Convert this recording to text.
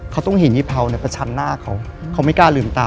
เขาต้องเห็นอีเผาเนี่ยประชันหน้าเขาเขาไม่กล้าลืมตา